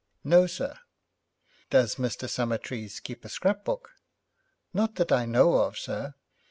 'No, sir.' 'Does Mr. Summertrees keep a scrapbook?' 'Not that I know of, sir.'